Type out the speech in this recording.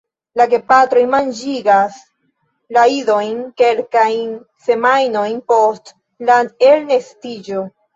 La gepatroj manĝigas la idojn kelkajn semajnojn post la elnestiĝo.